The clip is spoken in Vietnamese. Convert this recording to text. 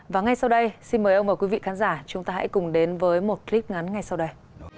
và ngay sau đây xin mời ông và quý vị khán giả chúng ta hãy cùng đến với một clip ngắn ngay sau đây